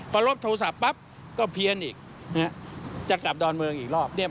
พอรบโทรศัพท์ปั๊บก็เพี้ยนอีกจะกลับดอนเมืองอีกรอบ